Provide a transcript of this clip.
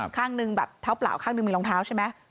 ข้างหนึ่งแบบเท้าเปล่าข้างหนึ่งมีรองเท้าใช่ไหม